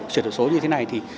chuyển đổi số như thế này thì